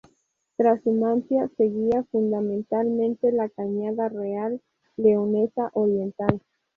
Trashumancia: Seguía fundamentalmente la cañada real leonesa oriental.